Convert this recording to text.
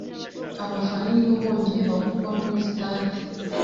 abafana ni bo bonyine bavugwa muri sitade